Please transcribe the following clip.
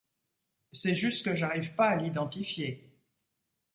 C’est juste que j’arrive pas à l’identifier.